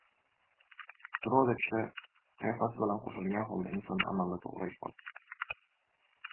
Sroda kishi qiyofasi bilan qo‘shilgan holda insonni amalda to‘g‘ri ifodalaydi.